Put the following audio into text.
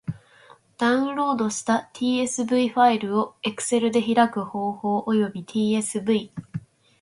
ダウンロードした tsv ファイルを Excel で開く方法及び tsv ...